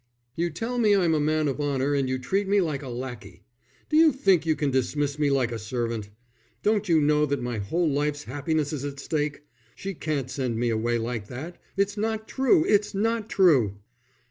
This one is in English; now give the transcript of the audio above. "You tell me I'm a man of honour and you treat me like a lackey. Do you think you can dismiss me like a servant? Don't you know that my whole life's happiness is at stake? She can't send me away like that. It's not true, it's not true."